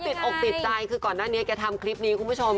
ติดอกติดใจคือก่อนหน้านี้แกทำคลิปนี้คุณผู้ชม